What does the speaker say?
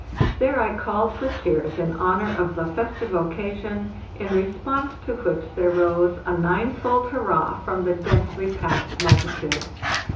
There I called for cheers in honor of the festive occasion, in response to which there rose a ninefold hurrah from the densely packed multitude.